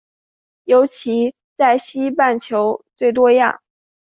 尤其在西半球最多样。